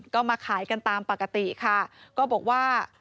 ก็มาขายกันตามปกติค่ะก็บอกว่า